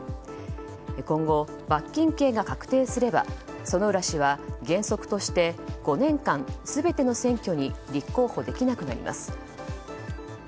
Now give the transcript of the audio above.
今後、罰金刑が確定すれば薗浦氏は原則として５年間全ての選挙に立候補できなくなります。